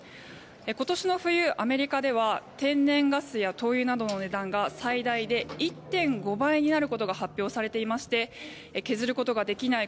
今年の冬、アメリカでは天然ガスや灯油などの値段が最大で１．５倍になることが発表されていまして削ることができない